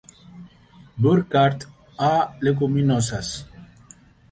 Burkart, A. Leguminosas.